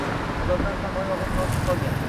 Odamlar ham oyog‘ini tortib qolgan.